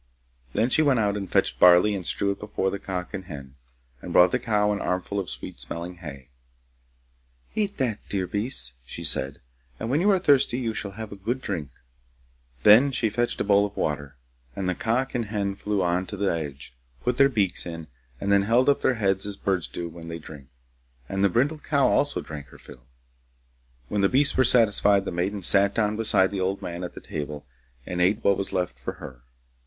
Then she went out and fetched barley and strewed it before the cock and hen, and brought the cow an armful of sweet smelling hay. 'Eat that, dear beasts,' she said,' and when you are thirsty you shall have a good drink.' Then she fetched a bowl of water, and the cock and hen flew on to the edge, put their beaks in, and then held up their heads as birds do when they drink, and the brindled cow also drank her fill. When the beasts were satisfied, the maiden sat down beside the old man at the table and ate what was left for her.